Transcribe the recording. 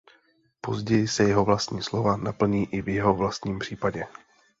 Později se jeho vlastní slova naplní i v jeho vlastním případě.